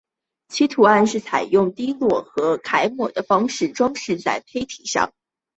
其图案是采用滴落和揩抹的方法装饰在坯体上。